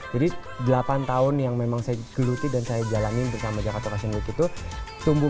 jadi delapan tahun yang memang saya geluti dan saya jalanin bersama jakarta fashion week itu tumbuh